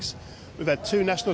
kita memiliki dua tim nasional